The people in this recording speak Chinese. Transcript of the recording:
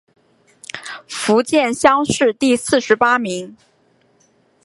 福建乡试第四十八名。